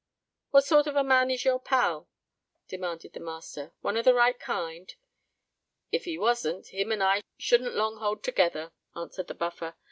"What sort of a man is your pal?" demanded the master: "one of the right kind?" "If he wasn't, him and I shouldn't long hold together," answered the Buffer.